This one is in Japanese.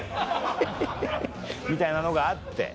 フフフフみたいなのがあって。